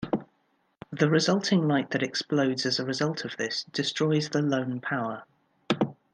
The resulting light that explodes as a result of this destroys the Lone Power.